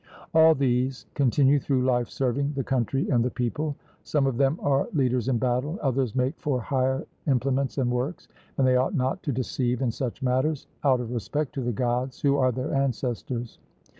All these continue through life serving the country and the people; some of them are leaders in battle; others make for hire implements and works, and they ought not to deceive in such matters, out of respect to the Gods who are their ancestors.